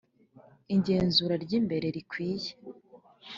Igenzura ry imbere rikwiye